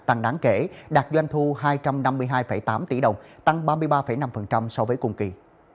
tăng đáng kể đạt doanh thu hai trăm năm mươi hai tám tỷ đồng tăng ba mươi ba năm so với cùng kỳ